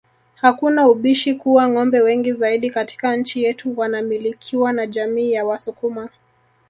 Hakuna ubishi kuwa ngombe wengi zaidi katika nchi yetu wanamilikiwa na jamii ya wasukuma